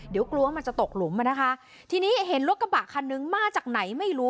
เดี๋ยวกลัวว่ามันจะตกหลุมอ่ะนะคะทีนี้เห็นรถกระบะคันนึงมาจากไหนไม่รู้